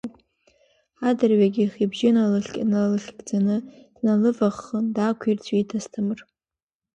Адырҩагьых ибжьы налхьыгӡаны, дналываххын, даақәирҵәиит Асҭамыр.